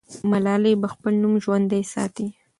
ملالۍ به خپل نوم ژوندی ساتي.